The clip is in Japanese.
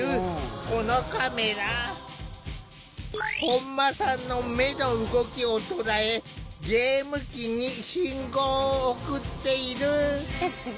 本間さんの目の動きを捉えゲーム機に信号を送っている。